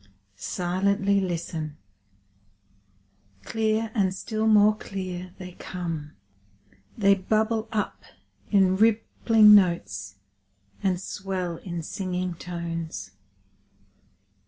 Silently listen! Clear, and still more clear, they come. They bubble up in rippling notes, and swell in singing tones.